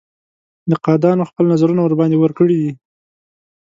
نقادانو خپل نظرونه ورباندې ورکړي دي.